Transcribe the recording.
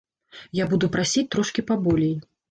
Я буду прасіць трошкі паболей.